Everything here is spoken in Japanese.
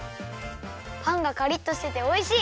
パンがカリッとしてておいしい！